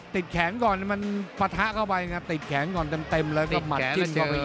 แขนก่อนมันปะทะเข้าไปไงติดแขนก่อนเต็มแล้วก็หมัดจิ้มเข้าไป